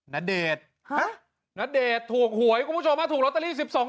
นาเดชห๊ะนาเดชถูกหวยคุณผู้ชมมาถูกรอตเตอรี่๑๒ล้าน